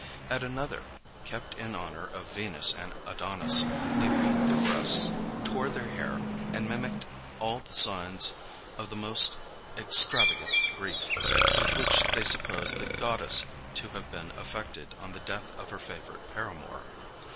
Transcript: At another, kept in honor of Venus and Adonis, they beat their breasts, tore their hair, and mimicked all the signs of the most extravagant grief, with which they supposed the goddess to have been affected on the death of her favorite paramour.